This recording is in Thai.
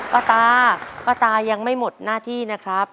ป้าตาป้าตายังไม่หมดหน้าที่นะครับ